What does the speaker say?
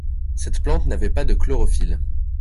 Cette plante n'avait pas de chlorophylle.